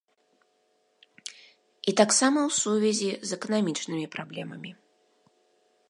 І таксама ў сувязі з эканамічнымі праблемамі.